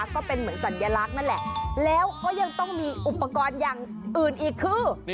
ก็เป็นเหมือนสัญลักษณ์นั่นแหละแล้วก็ยังต้องมีอุปกรณ์อย่างอื่นอีกคือ